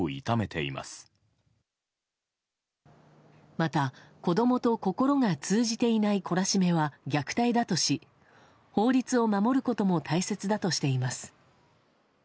また、子供と心が通じていない懲らしめは虐待だとし法律を守ることも大切だとしています。